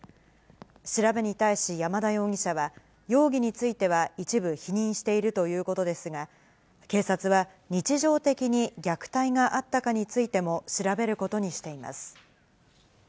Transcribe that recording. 調べに対し山田容疑者は、容疑については一部否認しているということですが、警察は日常的に虐待があったかについても調べることにしています。